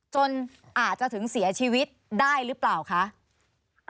จนอาจจะถึงเสียชีวิตได้หรือเปล่าคะ